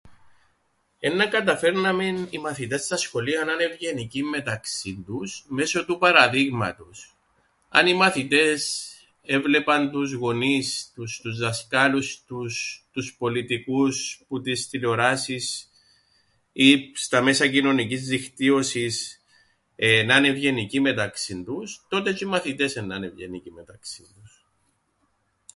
Εννά 'καταφέρναμεν οι μαθητές στα σχολεία να ’ν’ ευγενικοί μεταξύν τους μέσω του παραδείγματος. Αν οι μαθητές έβλεπαν τους γονείς τους, τους δασκάλους τους, τους πολιτικούς που τις τηλεοράσεις ή στα μέσα κοινωνικής δικτύωσης να ’ν’ ευγενικοί μεταξύν τους, τότε τζ̆αι οι μαθητές εννά ’ν’ ευγενικοί μεταξύν τους.